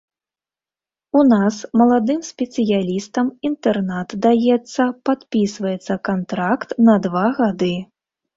У нас маладым спецыялістам інтэрнат даецца, падпісваецца кантракт на два гады.